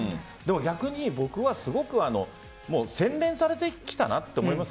逆に僕はすごく洗練されてきたなと思います。